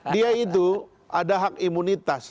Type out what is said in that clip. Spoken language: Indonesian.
dia itu ada hak imunitas